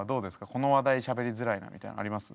この話題しゃべりづらいなみたいのあります？